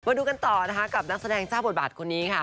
ดูกันต่อนะคะกับนักแสดงเจ้าบทบาทคนนี้ค่ะ